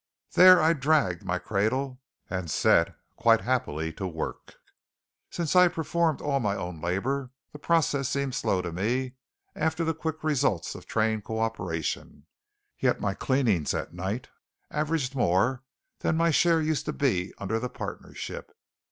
There I dragged my cradle, and set quite happily to work. Since I performed all my own labour, the process seemed slow to me after the quick results of trained cooperation; yet my cleanings at night averaged more than my share used to be under the partnership.